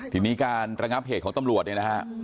ทีนี้การระงับเหตุของตำรวจเนี่ยนะฮะ